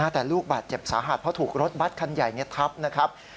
แต่ลูกบาดเจ็บสาหัสเพราะถูกรถบัตรคันใหญ่ทับนะครับ